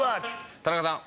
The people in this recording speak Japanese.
田中さん。